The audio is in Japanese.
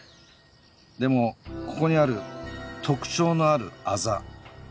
でもここにある特徴のあるアザ。